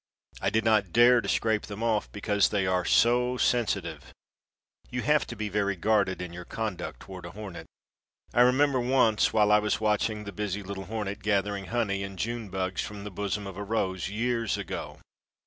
I did not dare to scrape them off, because they are so sensitive. You have to be very guarded in your conduct toward a hornet. I remember once while I was watching the busy little hornet gathering honey and June bugs from the bosom of a rose, years ago.